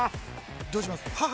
どうします？